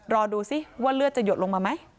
รอดูสิว่าเลือดจะหยดลงมาไหม